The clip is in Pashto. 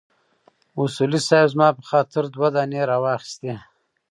اصولي صیب زما په خاطر دوه دانې راواخيستې.